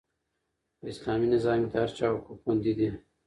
په اسلامي نظام کې د هر چا حقوق خوندي دي.